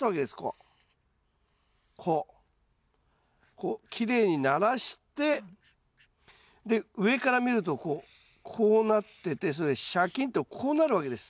こうきれいにならしてで上から見るとこうこうなっててそれでシャキーンとこうなるわけです。